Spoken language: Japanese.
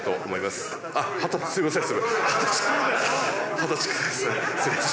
すみません。